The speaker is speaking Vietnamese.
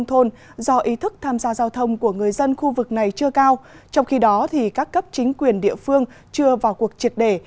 trong khi đó các cấp chính quyền địa phương chưa vào cuộc triệt để